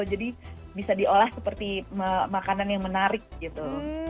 jadi bisa diolah seperti makanan yang menarik gitu